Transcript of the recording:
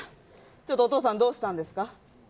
ちょっと、お父さん、どうしたんですか？